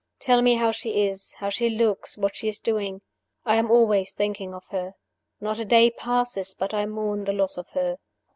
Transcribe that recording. Tell me how she is, how she looks, what she is doing. I am always thinking of her. Not a day passes but I mourn the loss of her.